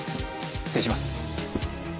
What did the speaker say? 失礼します。